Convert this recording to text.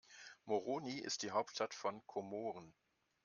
Moroni ist die Hauptstadt von Komoren.